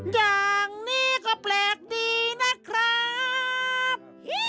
อย่างนี้ก็แปลกดีนะครับ